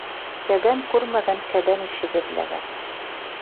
Кәбән күрмәгән кәбән ишеге эҙләгән.